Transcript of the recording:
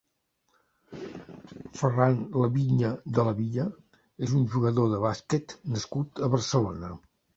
Ferran Laviña de la Villa és un jugador de bàsquet nascut a Barcelona.